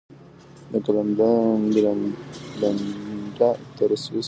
له فنلنډه تر سويس پورې کتابونه غلا شول.